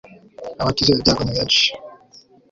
abakize ibyago nibenshi